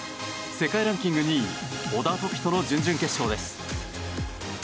世界ランキング２位、小田凱人の準々決勝です。